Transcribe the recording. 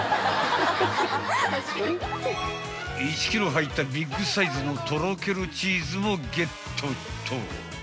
［１ｋｇ入ったビッグサイズのとろけるチーズもゲットット］